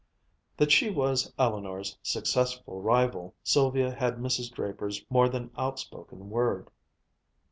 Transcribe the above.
That she was Eleanor's successful rival, Sylvia had Mrs. Draper's more than outspoken word.